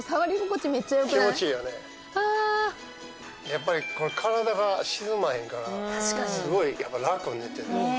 やっぱりこれ体が沈まへんからすごいラクに寝てる。